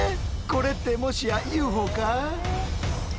これってもしやＵＦＯか？